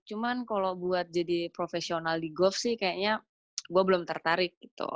cuman kalau buat jadi profesional di gov sih kayaknya gue belum tertarik gitu